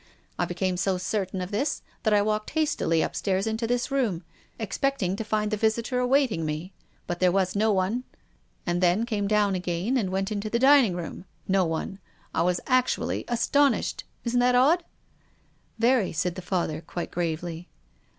I became so certain of this that I walked hastily upstairs into this room, excepting to find the visitor awaiting me. But there was no one. I then came down again and went into the dining room. No one. I was actually astonished. Isn't that odd?" " Very," said the Father, quite gravely.